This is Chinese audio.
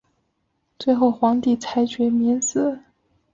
最后皇帝裁决免死。